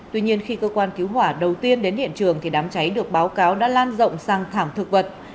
tuy nhiên khi cơ quan cứu hỏa đầu tiên đến hiện trường thì đám cháy được báo cáo đã lan rộng sang thẳng thực vật